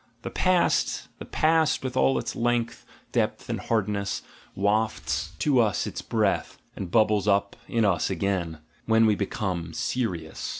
The past, the past with all its length, depth, and hardness, wafts to us its breath, and bubbles up in us again, when we become "serious."